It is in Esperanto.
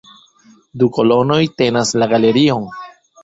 Du kolonoj tenas la galerion.